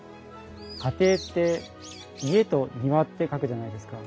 家庭って「家」と「庭」って書くじゃないですか。